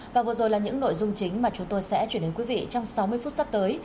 và vừa rồi là những nội dung chính mà chúng tôi sẽ chuyển đến quý vị trong sáu mươi phút sắp tới